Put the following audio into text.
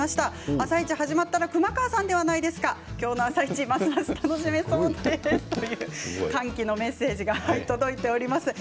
「あさイチ」が始まったら熊川さん今日の「あさイチ」はますます楽しめそうという歓喜のメッセージが届いています。